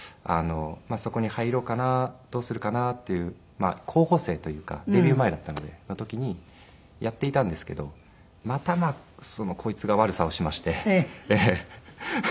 そこに入ろうかなどうするかなっていう候補生というかデビュー前だったので。の時にやっていたんですけどまたこいつが悪さをしまして。